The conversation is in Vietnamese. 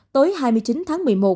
tối hai mươi chín tháng một mươi một